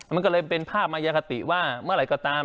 มันก็เลยเป็นภาพมายคติว่าเมื่อไหร่ก็ตาม